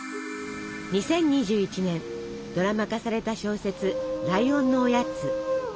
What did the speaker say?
２０２１年ドラマ化された小説「ライオンのおやつ」。